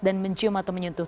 dan mencium atau menyentuh